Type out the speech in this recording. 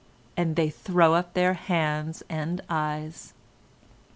and they throw up their hands and eyes.